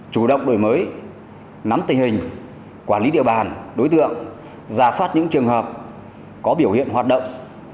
chủ động đổi mới nắm tình hình quản lý địa bàn đối tượng giả soát những trường hợp có biểu hiện hoạt động